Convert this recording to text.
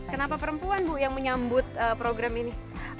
kenapa perempuan bu yang menyambut program ini